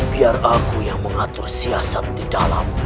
biar aku yang mengatur siasat di dalam